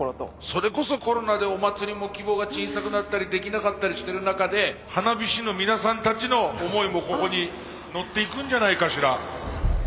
それこそコロナでお祭りも規模が小さくなったりできなかったりしてる中で花火師の皆さんたちの思いもここに乗っていくんじゃないかしら。